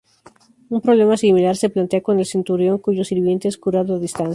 Un problema similar se plantea con el centurión cuyo sirviente es curado a distancia.